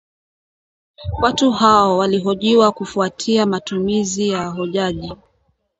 Watu hao walihojiwa kufuatia matumizi ya hojaji